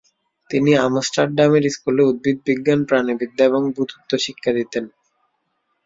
তিনি আমস্টারডাম এর স্কুলে উদ্ভিদ বিজ্ঞান, প্রাণিবিদ্যা এবং ভূতত্ত্ব শিক্ষা দিতেন।